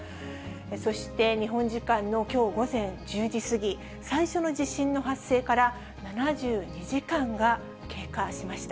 そして日本時間のきょう午前１０時過ぎ、最初の地震の発生から７２時間が経過しました。